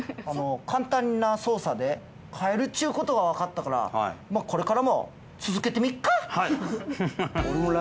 簡単な操作で買えるっちゅうことがわかったからこれからも続けてみっか！